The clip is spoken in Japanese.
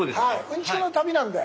うんちくの旅なんで。